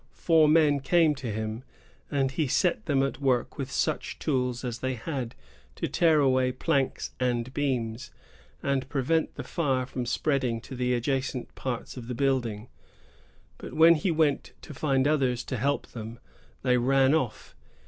Four men came to him, and he set them at work with such tools as they had to tear away planks and beams, and prevent the fire from spreading to the adjacent parta of the building; but when he went to find others to help them, they ran off.